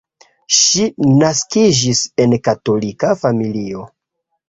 Ŝi naskiĝis en katolika familio.